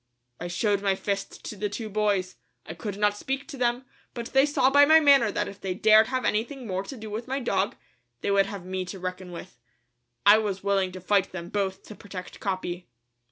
I showed my fist to the two boys. I could not speak to them, but they saw by my manner that if they dared have anything more to do with my dog, they would have me to reckon with. I was willing to fight them both to protect Capi.